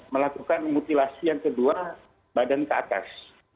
melakukan mutilasi yang kedua badan ke atas